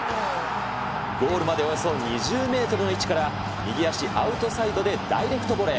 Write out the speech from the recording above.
ゴールまでおよそ２０メートルの位置から、右足アウトサイドでダイレクトボレー。